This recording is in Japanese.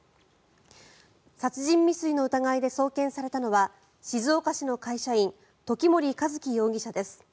殺人未遂の疑いで送検されたのは静岡市の会社員時森一輝容疑者です。